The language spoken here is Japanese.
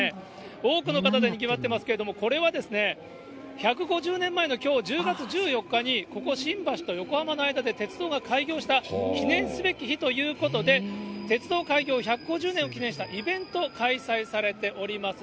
多くの方でにぎわってますけれども、これは１５０年前のきょう、１０月１４日に、ここ、新橋と横浜の間で鉄道が開業した記念すべき日ということで、鉄道開業１５０年を記念したイベント、開催されております。